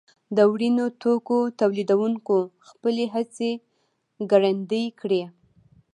د وړینو توکو تولیدوونکو خپلې هڅې ګړندۍ کړې.